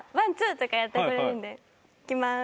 いきます。